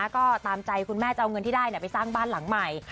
ก็ตามใจคุณแม่จะเอาเงินที่ได้ไปสร้างบ้านหลังใหม่